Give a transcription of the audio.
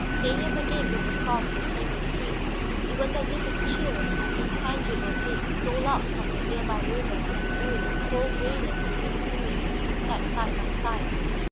Stanief again looked across the teeming streets; it was as if a chill, intangible mist stole up from the near by river and drew its cold grayness between the two who sat side by side.